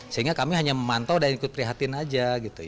sehingga kami hanya memantau dan ikut prihatin aja